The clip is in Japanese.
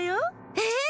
えっ？